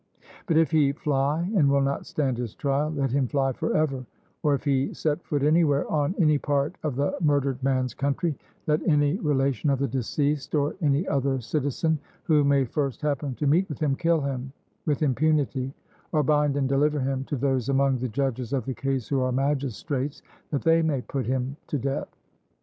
But if he fly and will not stand his trial, let him fly for ever; or, if he set foot anywhere on any part of the murdered man's country, let any relation of the deceased, or any other citizen who may first happen to meet with him, kill him with impunity, or bind and deliver him to those among the judges of the case who are magistrates, that they may put him to death.